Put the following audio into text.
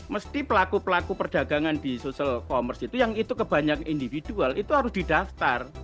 mesti pelaku pelaku perdagangan di social commerce itu yang itu kebanyak individual itu harus didaftar